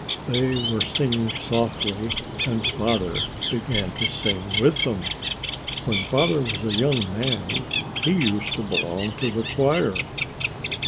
They were singing softly and Father began to sing with them. When Father was a young man, he used to belong to the choir.